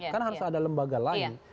kan harus ada lembaga lain